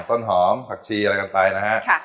ต้นหอมผักชีอะไรกันไปนะฮะ